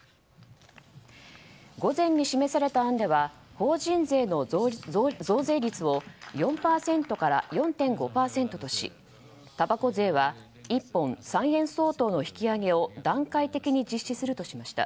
午前に示された案では法人税の増税率を４％から４．５％としたばこ税は１本３円相当の引き上げを段階的に実施するとしました。